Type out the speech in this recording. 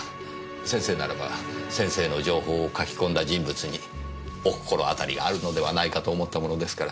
先生ならば先生の情報を書き込んだ人物にお心当たりがあるのではないかと思ったものですから。